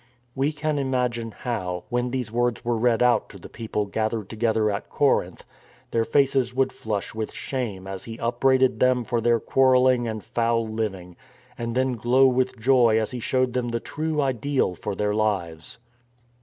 We can imagine how, when these words were read out to the people gathered together at Corinth, their faces would flush with shame as he upbraided them for their quarrelling and foul living, and then glow with joy as he showed them the true ideal for their lives.